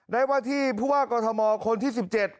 ได้ว่าที่ผู้ว่ากอทมคนที่๑๗